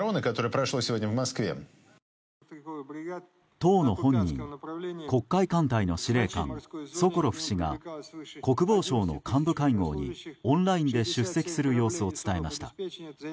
当の本人黒海艦隊の司令官ソコロフ氏が国防省の幹部会合にオンラインで出席する様子を伝えました。